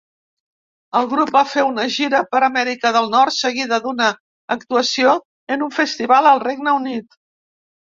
El grup va fer una gira per Amèrica del Nord, seguida d'una actuació en un festival al Regne Unit.